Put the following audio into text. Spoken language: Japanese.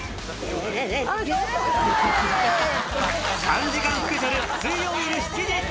３時間スペシャル、水曜夜７時。